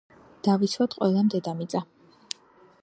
დავიცვათ ყველამ დედამიწა